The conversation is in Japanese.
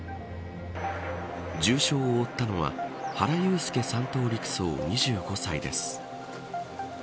重傷を負ったのは原悠介３等陸曹２５歳です。